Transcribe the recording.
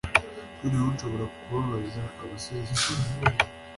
Noneho nshobora kubabaza abasore ikintu